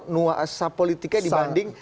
nuasa politiknya dibanding